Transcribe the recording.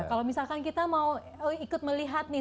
kalau misalkan kita mau ikut melihat nih